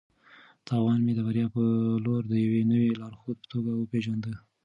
تاوان مې د بریا په لور د یوې نوې لارښود په توګه وپېژانده.